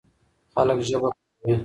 خلک ژبه کاروي.